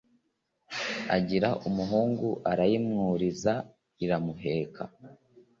agira umuhungu arayimwuriza iramuheka